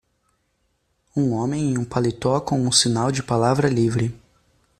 Um homem em um paletó com um sinal de "palavra livre".